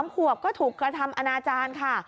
๓ขวบก็ถูกกระทำอนาจารย์ค่ะ